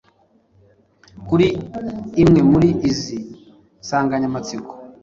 kuri imwe muri izi nsanganyamatsiko.